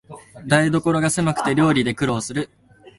台所がせまくて料理で苦労する